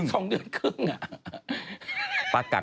สวัสดีครับ